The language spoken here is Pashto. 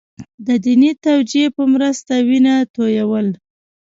د دیني توجیه په مرسته وینه تویول.